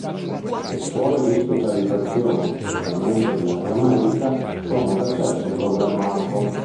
Le scuole di specializzazione, specialmente di area medica, sono ad accesso programmato.